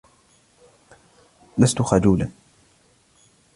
لست خجولا.